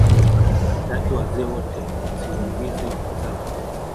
dhati wazee wote wa simulizi za